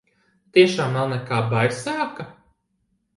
Tiešām nav nekā baisāka?